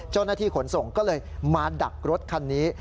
เจ้าหน้าที่ขนส่งก็เลยมาดักรถคันนี้